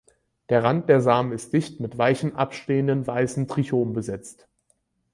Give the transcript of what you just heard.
Der Rand der Samen ist dicht mit weichen, abstehenden, weißen Trichomen besetzt.